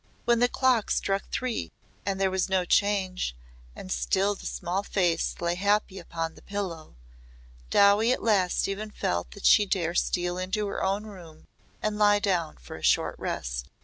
When the clock struck three and there was no change and still the small face lay happy upon the pillow Dowie at last even felt that she dare steal into her own room and lie down for a short rest.